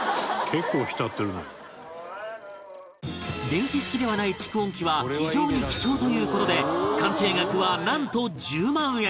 電気式ではない蓄音機は非常に貴重という事で鑑定額はなんと１０万円